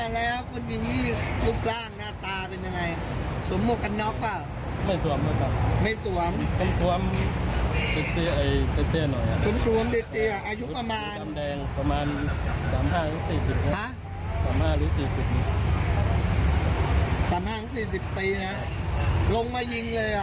ลงมายิงเลยอ่ะ